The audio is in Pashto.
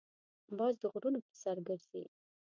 باز د غرونو په سر کې ځې